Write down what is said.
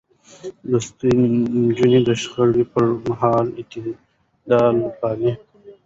لوستې نجونې د شخړو پر مهال اعتدال پالي.